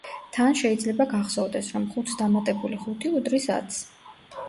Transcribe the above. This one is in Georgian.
თან, შეიძლება გახსოვდეს, რომ ხუთს დამატებული ხუთი უდრის ათს.